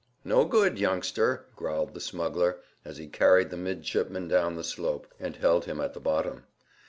"No good, youngster," growled the smuggler, as he carried the midshipman down the slope, and held him at the bottom.